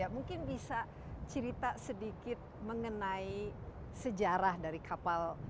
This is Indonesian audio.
mungkin bisa cerita sedikit mengenai sejarah dari kapal